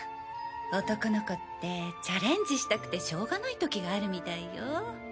男の子ってチャレンジしたくてしようがないときがあるみたいよ。